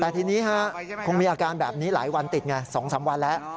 แต่ทีนี้คงมีอาการแบบนี้หลายวันติดไง๒๓วันแล้ว